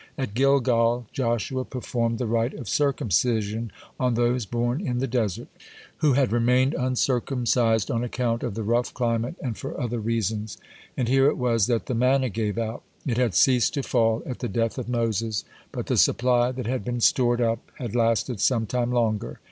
(15) At Gilgal Joshua performed the rite of circumcision on those born in the desert, who had remained uncircumcised on account of the rough climate and for other reasons. (16) And here it was that the manna gave out. It had ceased to fall at the death of Moses, but the supply that had been stored up had lasted some time longer.